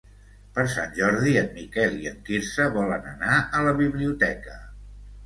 Per Sant Jordi en Miquel i en Quirze volen anar a la biblioteca.